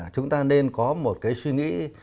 chúng ta nên có một cái suy nghĩ